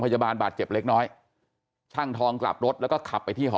บาดเจ็บเล็กน้อยช่างทองกลับรถแล้วก็ขับไปที่หอ